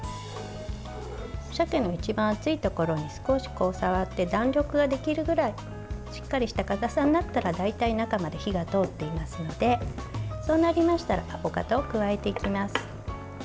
鮭の一番厚いところに少し触って弾力ができるぐらいしっかりした硬さになったら大体、中まで火が通っていますのでそうなりましたらアボカドを加えていきます。